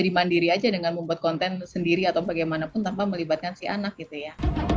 di mandiri aja dengan membuat konten sendiri atau bagaimanapun tanpa melibatkan si anak gitu ya